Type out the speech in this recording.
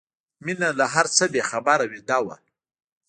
مينه له هر څه بې خبره ویده وه